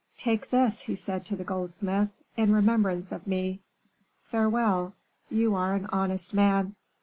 "Take this," he said to the goldsmith, "in remembrance of me. Farewell; you are an honest man."